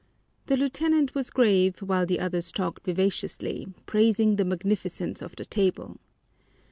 The lieutenant was grave while the others talked vivaciously, praising the magnificence of the table.